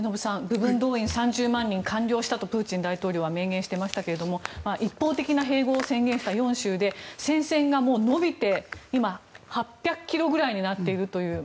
部分動員３０万人完了したとプーチン大統領は明言してましたけど一方的な併合を宣言した４州で戦線が延びて今、８００ｋｍぐらいになっているという。